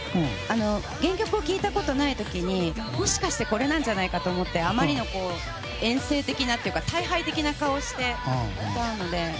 原曲を聴いたことない時にもしかしたらこれなんじゃないかと思ってあまりの厭世的なというか退廃的な顔をして歌うので。